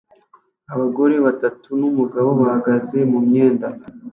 Abagore batatu numugabo bahagaze mumyenda